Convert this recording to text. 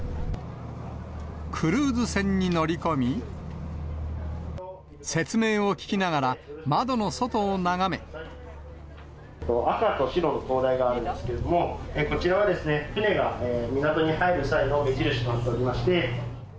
クルーズ船に乗り込み、説明を聞きながら、赤と白の灯台があるんですけれども、こちらは船が港に入る際の目印となっておりまして。